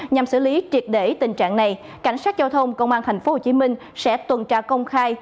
nhằm xử lý triệt để tình trạng này cảnh sát giao thông công an tp hcm sẽ tuần tra công khai